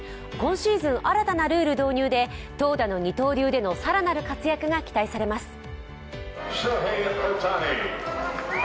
今シーズン新たなルール導入で投打の二刀流での更なる活躍が期待されます。